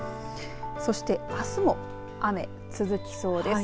そしてあすも雨続きそうです。